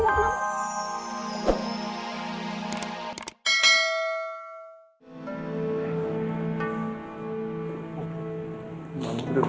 mas aku mau tidur